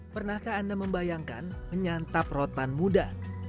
pernahkah anda membayangkan menyantap rotan muda